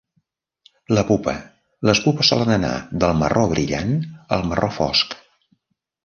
La pupa: les pupes solen anar del marró brillant al marró fosc.